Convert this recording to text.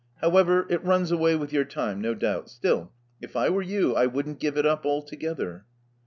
How ever, it runs away with your time, no doubt. Still, if I were you, I wouldn't give it up altogether."